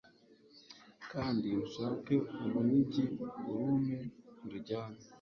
Kandi ushake urunigi, urumpe ndujyane